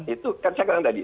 itu kan saya bilang tadi